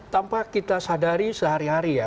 tanpa kita sadari sehari hari ya